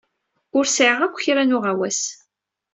Ur sɛiɣ akk kra n uɣawas.